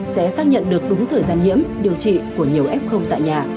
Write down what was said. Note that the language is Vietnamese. sẽ xác nhận được đúng thời gian nhiễm điều trị của nhiều f tại nhà